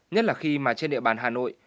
nhất là khi mà trên địa bàn hà nội